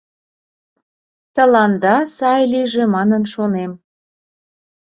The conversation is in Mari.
Тыланда сай лийже манын шонем...